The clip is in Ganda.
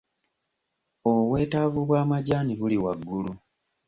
Obwetaavu bw'amajaani buli waggulu.